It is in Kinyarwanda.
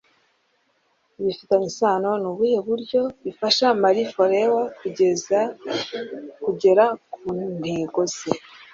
Bifitanye isano: Ni ubuhe buryo bufasha Marie Forleo kugera ku ntego ze?